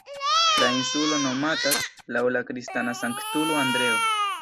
La insulo nomatas laŭ la kristana sanktulo Andreo.